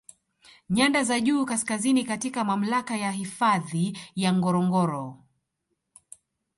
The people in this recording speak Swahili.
Nyanda za juu Kaskazini katika mamlaka ya hifadhi ya Ngorongoro